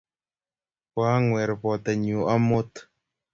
Koang'wer batenyu amut